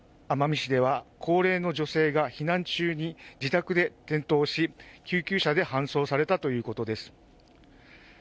奄美市では高齢の女性が避難中に自宅で転倒し救急車で搬送されたということです。